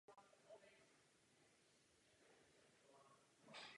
Dohromady jsou tito dva hráči označování jako baterie hry.